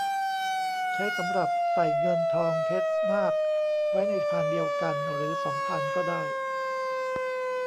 ใช้สำหรับใส่เงิน ทอง เพชร นาค ไว้ในพานเดียวกัน หรือ สอง พานก็ได้